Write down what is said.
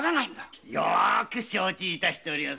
よく承知しております。